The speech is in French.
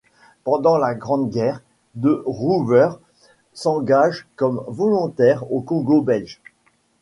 Pendant la Grande Guerre, de Roover s'engage comme volontaire au Congo belge.